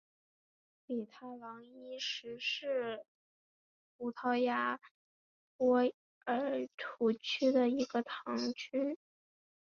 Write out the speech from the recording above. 比塔朗伊什是葡萄牙波尔图区的一个堂区。